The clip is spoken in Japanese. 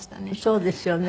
そうですよね。